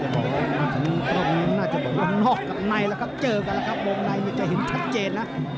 ตกนี้มีพวกไหนก่อนวงไหนถึงจะเห็นชัดเจน